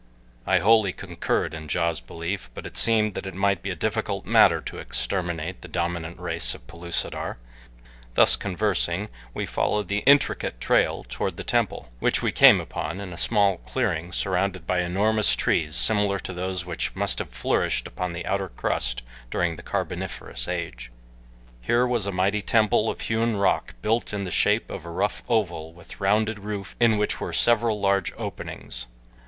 I wholly concurred in Ja's belief, but it seemed that it might be a difficult matter to exterminate the dominant race of Pellucidar. Thus conversing we followed the intricate trail toward the temple, which we came upon in a small clearing surrounded by enormous trees similar to those which must have flourished upon the outer crust during the carboniferous age. Here was a mighty temple of hewn rock built in the shape of a rough oval with rounded roof in which were several large openings.